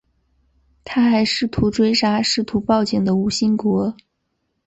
他还试图追杀试图报警的吴新国。